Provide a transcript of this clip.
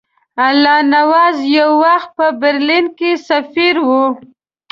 الله نواز یو وخت په برلین کې سفیر وو.